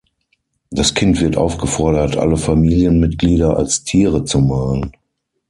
Das Kind wird aufgefordert, alle Familienmitglieder als Tiere zu malen.